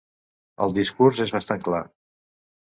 El discurs és bastant clar.